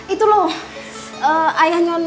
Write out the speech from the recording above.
itu loh ayahnya